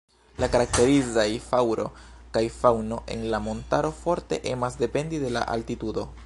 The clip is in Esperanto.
La karakterizaj flaŭro kaj faŭno en la montaro forte emas dependi de la altitudo.